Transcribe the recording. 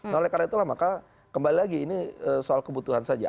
nah oleh karena itulah maka kembali lagi ini soal kebutuhan saja